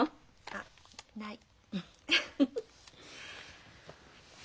あっない。